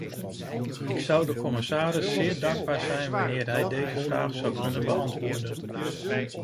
Ik zou de commissaris zeer dankbaar zijn wanneer hij deze vraag zou kunnen beantwoorden.